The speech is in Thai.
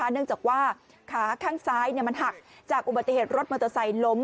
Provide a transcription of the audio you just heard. เนื่องจากว่าขาข้างซ้ายมันหักจากอุบัติเหตุรถมอเตอร์ไซค์ล้ม